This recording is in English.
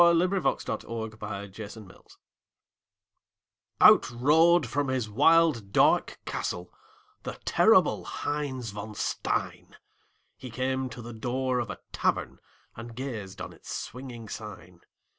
_ THE LEGEND OF HEINZ VON STEIN Out rode from his wild, dark castle The terrible Heinz von Stein; He came to the door of a tavern And gazed on its swinging sign.